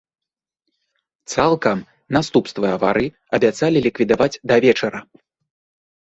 Цалкам наступствы аварыі абяцалі ліквідаваць да вечара.